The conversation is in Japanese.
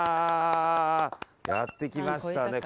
やってきましたね。